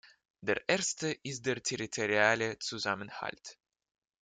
Der erste ist der territoriale Zusammenhalt.